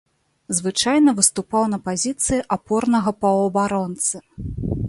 Звычайна выступаў на пазіцыі апорнага паўабаронцы.